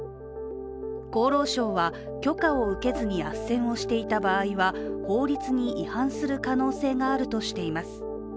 厚労省は許可を受けずにあっせんをしていた場合は法律に違反する可能性があるとしています。